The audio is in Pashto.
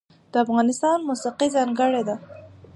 د افغانستان موسیقی ځانګړې ده